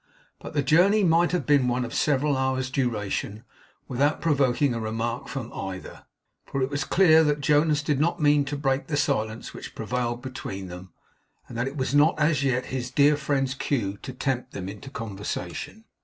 But the journey might have been one of several hours' duration, without provoking a remark from either; for it was clear that Jonas did not mean to break the silence which prevailed between them, and that it was not, as yet, his dear friend's cue to tempt them into conversation.